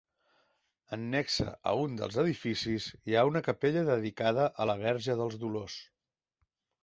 Annexa a un dels edificis hi ha una capella dedicada a la Verge dels Dolors.